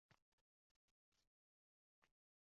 Za’far yaproqlarni to‘zg‘itar shamol.